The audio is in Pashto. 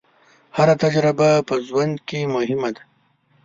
هره تجربه په ژوند کې مهمه ده.